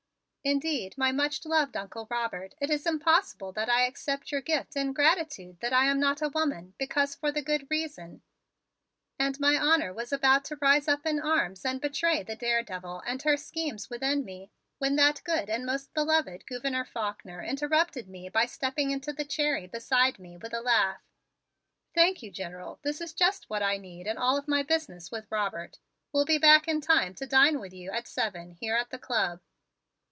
"Indeed, my much loved Uncle Robert, it is impossible that I accept your gift in gratitude that I am not a woman, because for the good reason " and my honor was about to rise up in arms and betray the daredevil and her schemes within me when that good and most beloved Gouverneur Faulkner interrupted me by stepping into the Cherry beside me with a laugh. "Thank you, General; this is just what I need in all of my business with Robert. We'll be back in time to dine with you at seven here at the Club.